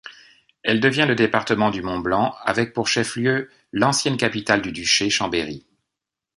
Elle devient le département du Mont-Blanc, avec pour chef-lieu l'ancienne capitale du duché, Chambéry.